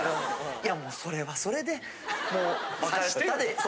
いやもうそれはそれでもう。